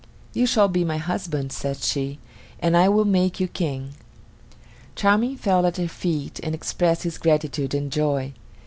"You shall be my husband," said she, "and I will make you King." Charming fell at her feet and expressed his gratitude and joy.